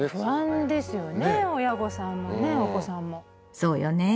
そうよね。